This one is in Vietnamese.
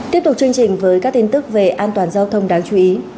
tiếp tục chương trình với các tin tức về an toàn giao thông đáng chú ý